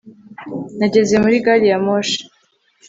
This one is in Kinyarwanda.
Nageze muri gari ya moshi